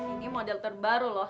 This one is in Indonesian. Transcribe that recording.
ini model terbaru loh